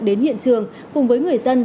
đến hiện trường cùng với người dân